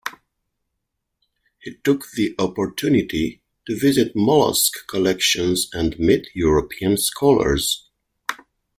He took the opportunity to visit mollusk collections and meet European scholars.